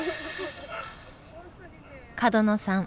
角野さん